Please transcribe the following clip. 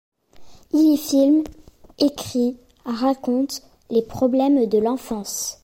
Il y filme, écrit, raconte les problèmes de l’enfance.